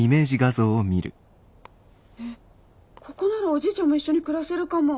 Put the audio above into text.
ここならおじいちゃんも一緒に暮らせるかも。